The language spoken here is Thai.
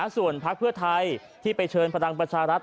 ส่วนภักดิ์เผื้อไทยที่ไปเชิญภรรยาบรัชารัฐ